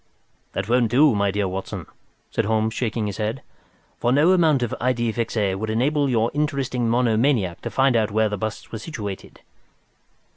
"That won't do, my dear Watson," said Holmes, shaking his head, "for no amount of idée fixe would enable your interesting monomaniac to find out where these busts were situated."